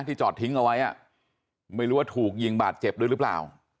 จอดทิ้งเอาไว้ไม่รู้ว่าถูกยิงบาดเจ็บด้วยหรือเปล่า